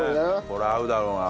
これ合うだろうな。